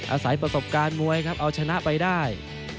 อาศัยประสบการณ์มวยครับเอาชนะไปได้